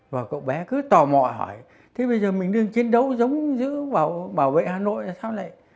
và cậu bé cứ tò mò hỏi thế bây giờ mình đứng chiến đấu giống giữa bảo vệ hà nội là sao lại